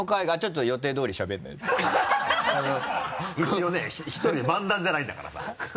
一応ね１人漫談じゃないんだからさ。